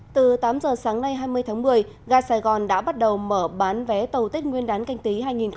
từ tám giờ sáng nay hai mươi tháng một mươi gà sài gòn đã bắt đầu mở bán vé tàu tết nguyên đán canh tí hai nghìn hai mươi